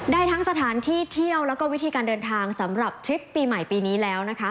ได้ทั้งสถานที่เที่ยวแล้วก็วิธีการเดินทางสำหรับทริปปีใหม่ปีนี้แล้วนะคะ